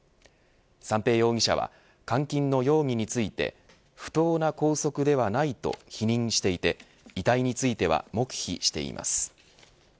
三瓶容疑者は監禁の容疑について不当な拘束ではないと否認していて遺体については黙秘しています。